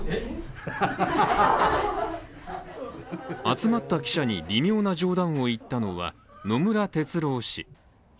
集まった記者に微妙な冗談を言ったのは、野村哲郎氏。